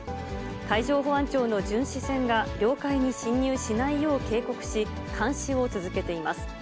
海上保安庁の巡視船が領海に侵入しないよう警告し、監視を続けています。